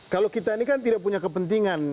kalau kita ini kan tidak punya kepentingan